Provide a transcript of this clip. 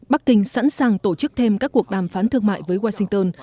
bắc kinh sẵn sàng tổ chức thêm các cuộc đàm phán thương mại với washington